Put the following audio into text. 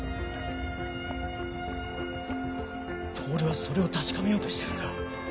透はそれを確かめようとしてるんだ。